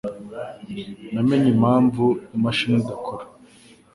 Namenye impamvu imashini idakora